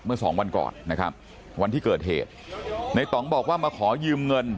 เมื่อสองวันก่อนนะครับวันที่เกิดเหตุในต่องบอกว่ามาขอยืมเงิน